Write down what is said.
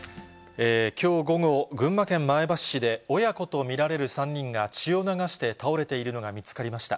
きょう午後、群馬県前橋市で、親子と見られる３人が、血を流して倒れているのが見つかりました。